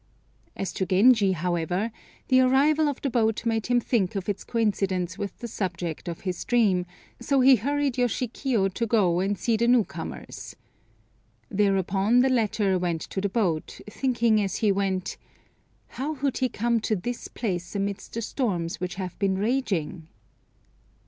As to Genji, however, the arrival of the boat made him think of its coincidence with the subject of his dream, so he hurried Yoshikiyo to go and see the new comers. Thereupon the latter went to the boat, thinking as he went, "How could he come to this place amidst the storms which have been raging?"